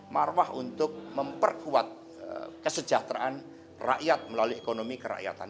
marwah untuk memperkuat kesejahteraan rakyat melalui ekonomi kerakyatan